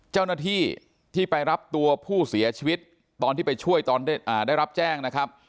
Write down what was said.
เจ้าหน้าที่ที่ไปรับตัวผู้เสียชีวิตตอนที่ไปช่วยตอนได้รับแจ้งนะครับ